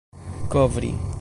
kovri